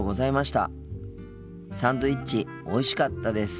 サンドイッチおいしかったです。